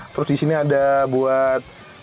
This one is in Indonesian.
terus di sini ada buat